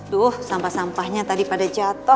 tuh sampah sampahnya tadi pada jatuh